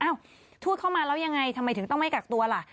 ทูตเข้ามาแล้วยังไงทำไมถึงต้องไม่กักตัวล่ะ